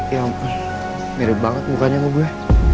ya ampun mirip banget bukannya gue